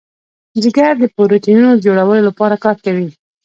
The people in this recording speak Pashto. جگر د پروټینونو د جوړولو لپاره کار کوي.